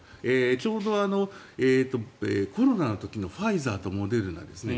ちょうどコロナの時のファイザーとモデルナですね。